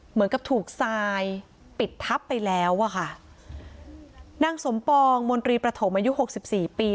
เหมือนกับถูกทรายปิดทับไปแล้วอ่ะค่ะนางสมปองมนตรีประถมอายุหกสิบสี่ปี